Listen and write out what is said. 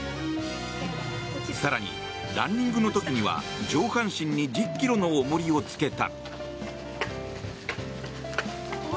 更に、ランニングの時には上半身に１０ｋｇの重りをつけた。